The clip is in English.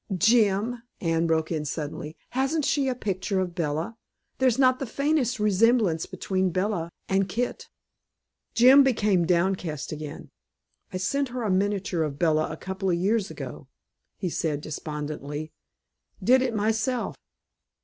"Jim," Anne broke in suddenly, "hasn't she a picture of Bella? There's not the faintest resemblance between Bella and Kit." Jim became downcast again. "I sent her a miniature of Bella a couple of years ago," he said despondently. "Did it myself."